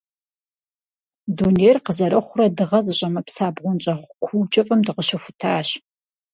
Дунейр къызэрыхъурэ дыгъэ зыщӀэмыпса бгъуэнщӀагъ куу кӀыфӀым дыкъыщыхутащ.